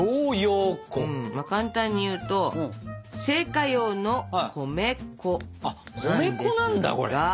簡単にいうと製菓用の米粉なんですが。